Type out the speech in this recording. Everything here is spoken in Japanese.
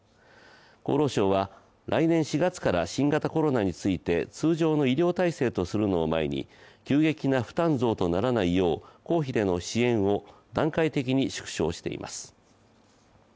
厚労省は来年４月から新型コロナについて通常の医療体制とするのを前に急激な負担増とならないよう公費での支援を段階的に縮小しています。